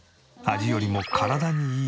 「味よりも体にいい」。